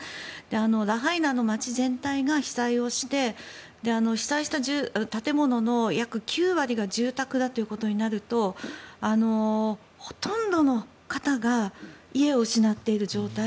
ラハイナの街全体が被災をして被災した建物の約９割が住宅だということになるとほとんどの方が家を失っている状態。